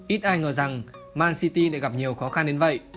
ít ai ngờ rằng man city lại gặp nhiều khó khăn đến vậy